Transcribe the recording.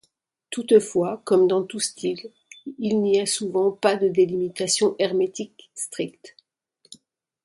Toutefois, comme dans tout style, il n’y a souvent pas de délimitation hermétique stricte.